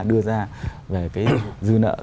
đưa ra về cái dư nợ